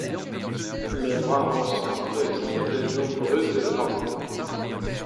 Le Marensin présente de nombreux étangs.